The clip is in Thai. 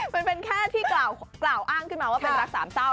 มันเป็นแค่ที่กล่าวอ้างขึ้นมาว่าเป็นรักสามเศร้า